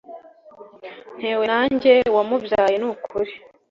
nteye nanjye wamubyaye nukuri